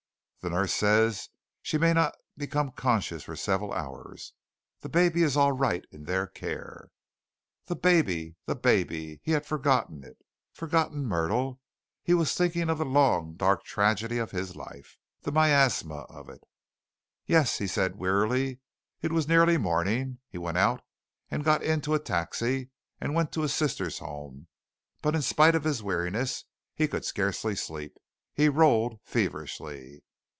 The nurse says she may not become conscious for several hours. The baby is all right in their care." The baby! the baby! He had forgotten it, forgotten Myrtle. He was thinking of the long dark tragedy of his life the miasma of it. "Yes," he said wearily. It was nearly morning. He went out and got into a taxi and went to his sister's home, but in spite of his weariness, he could scarcely sleep. He rolled feverishly.